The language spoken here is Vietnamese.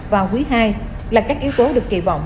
và quý ii là các yếu tố được kỳ vọng